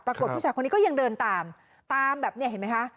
ผู้ชายคนนี้ก็ยังเดินตามตามแบบนี้เห็นไหมคะ